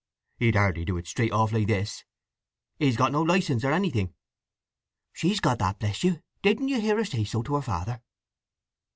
"He'd hardly do it straight off like this. He's got no licence nor anything." "She's got that, bless you. Didn't you hear her say so to her father?"